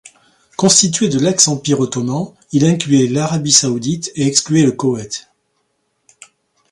Constitué de l'ex-empire ottoman, il incluait l'Arabie saoudite, et excluait le Koweït.